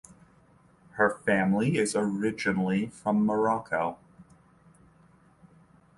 Her family is originally from Morocco.